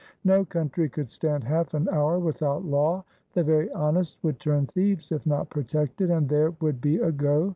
No country could stand half an hour without law!! The very honest would turn thieves if not protected, and there would be a go.